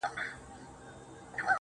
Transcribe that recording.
o ستا مين درياب سره ياري کوي.